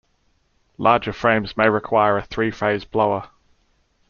Larger frames may require a three phase blower.